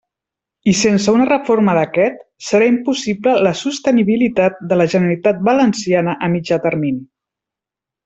I sense una reforma d'aquest, serà impossible la sostenibilitat de la Generalitat Valenciana a mitjà termini.